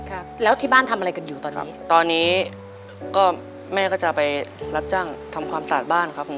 ครับแล้วที่บ้านทำอะไรกันอยู่ตอนนี้ตอนนี้ก็แม่ก็จะไปรับจ้างทำความสะอาดบ้านครับผม